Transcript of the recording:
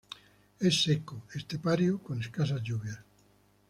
Es seco, estepario con escasas lluvias.